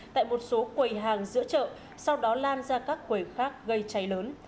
tại một số quầy hàng giữa chợ sau đó lan ra các quầy khác gây cháy lớn